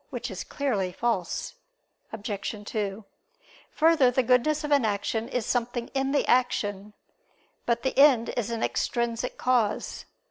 Which is clearly false. Obj. 2: Further, the goodness of an action is something in the action. But the end is an extrinsic cause.